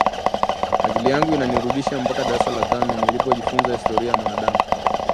Akili yangu inanirudisha mpaka darasa la tano nilipojifunza historia ya mwanadamu